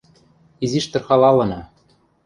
Изиш тырхалалына...